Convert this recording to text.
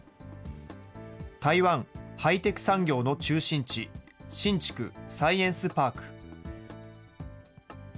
台湾ハイテク産業の中心地、新竹サイエンスパーク。